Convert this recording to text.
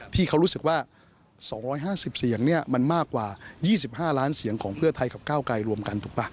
ที่เขารู้สึกว่า๒๕๐เสียงเนี่ยมันมากกว่า๒๕ล้านเสียงของเพื่อไทยกับก้าวไกลรวมกันถูกป่ะ